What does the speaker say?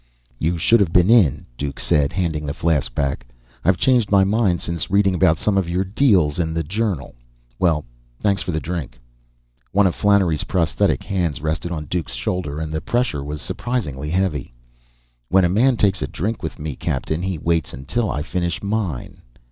"You should have been in," Duke said, handing the flask back. "I've changed my mind since reading about some of your deals in the Journal. Well, thanks for the drink." One of Flannery's prosthetic hands rested on Duke's shoulder, and the pressure was surprisingly heavy. "When a man takes a drink with me, captain, he waits until I finish mine."